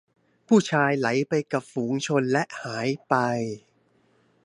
ผู้ชายไหลไปกับฝูงชนและหายไป